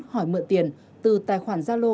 hỏi mượn tiền từ tài khoản gia lô